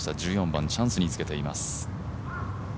１４番、チャンスにつけています。